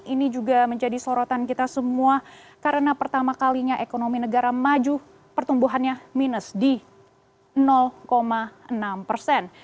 ini juga menjadi sorotan kita semua karena pertama kalinya ekonomi negara maju pertumbuhannya minus di enam persen